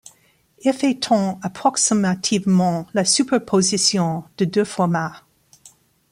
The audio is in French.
F étant approximativement la superposition de deux formats.